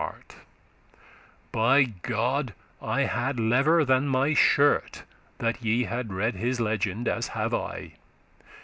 significance to* By God, I hadde lever than my shirt That ye had read his legend, as have I.